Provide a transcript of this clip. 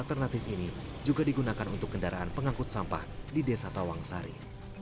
alternatif ini juga digunakan untuk kendaraan pengangkut sampah di desa tawangsari